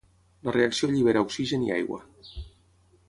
La reacció allibera oxigen i aigua.